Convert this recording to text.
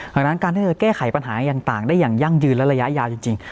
ดังนั้นการที่จะแก้ไขปัญหาต่างได้อย่างยั่งยืนและระยะยาวจริง